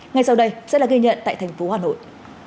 ngay sau đây sẽ là ghi nhận tại thành phố hà nội